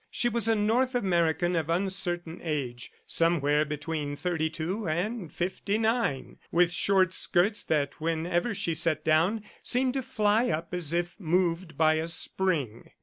She was a North American of uncertain age, somewhere between thirty two and fifty nine, with short skirts that whenever she sat down, seemed to fly up as if moved by a spring.